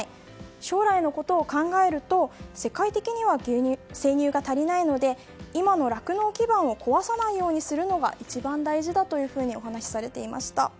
将来のことを考えると世界的には生乳が足りないので今の酪農基盤を壊さないようにするのが一番大事だとお話しされていました。